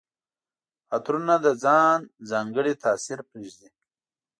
عطرونه د ځان ځانګړی تاثر پرېږدي.